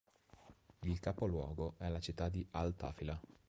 Il capoluogo è la città di al-Tafila.